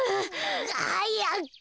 はやく。